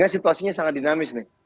situasinya sangat dinamis